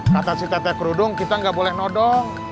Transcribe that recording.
kata si tete krudung kita gak boleh nodong